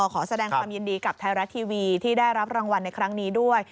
ขอแสดงความยินดีกับไทยรัฐทีวีที่ได้รับรางวัลในครั้งนี้ด้วย